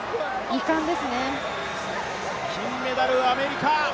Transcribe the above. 金メダル、アメリカ！